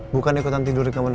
bukan ikutan tiduri kamu sama rena